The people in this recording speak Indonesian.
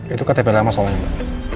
itu ktp lama soalnya mbak